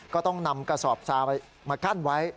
ก็ต้องนำกระสอบซาไปมากั้นไว้